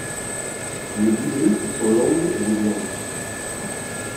Les vibrisses sont longues et blanches.